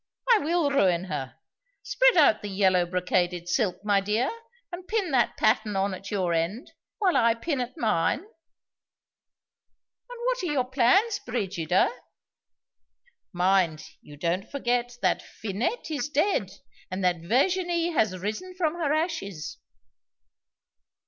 I will ruin her. Spread out the yellow brocaded silk, my dear, and pin that pattern on at your end, while I pin at mine. And what are your plans, Brigida? (Mind you don't forget that Finette is dead, and that Virginie has risen from her ashes.)